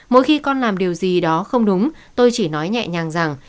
mỗi khi con làm điều gì đó không đúng tôi chỉ nói nhẹ nhàng rằng